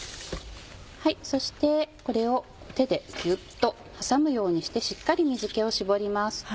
そしてこれを手でギュっと挟むようにしてしっかり水気を絞ります。